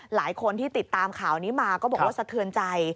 หลายคนที่ติดตามข่าวนี้มาก็บอกว่าสะเทือนใจ